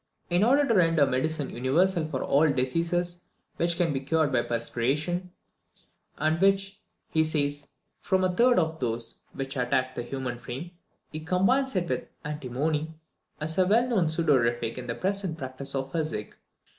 In order to render the medicine universal for all diseases which can be cured by perspiration, and which, he says, form a third of those which attack the human frame, he combines it with antimony, a well known sudorific in the present practice of physic.